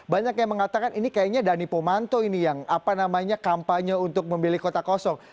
banyak yang mengatakan ini kayaknya dhani pomanto ini yang apa namanya kampanye untuk memilih kota kosong